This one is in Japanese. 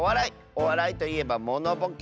おわらいといえばモノボケ！